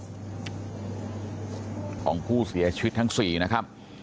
ของผู้เสียชีวิตทั้ง๔นะครับ